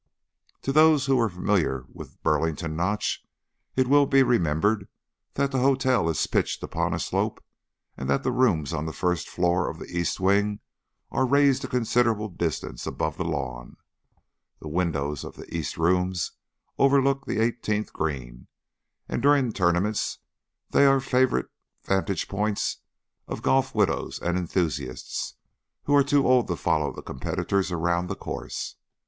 To those who are familiar with Burlington Notch, it will be remembered that the hotel is pitched upon a slope and that the rooms on the first floor of the east wing are raised a considerable distance above the lawn. The windows of these east rooms overlook the eighteenth green, and during tournaments they are favorite vantage points of golf widows and enthusiasts who are too old to follow the competitors around the course.